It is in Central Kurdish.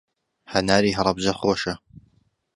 هەناری هەڵەبجە خۆشە.